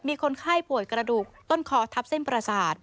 มีคนไข้ป่วยกระดูกต้นคอทับเส้นประสาท